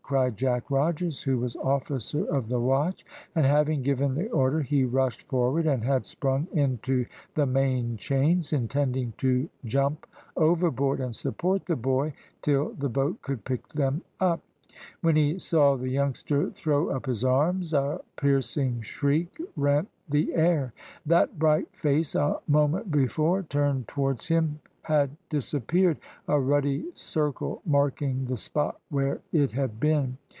cried Jack Rogers, who was officer of the watch, and having given the order he rushed forward and had sprung into the main chains, intending to jump overboard and support the boy till the boat could pick them up; when he saw the youngster throw up his arms a piercing shriek rent the air. That bright face a moment before turned towards him had disappeared, a ruddy circle marking the spot where it had been.